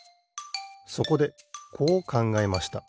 そこでこうかんがえました。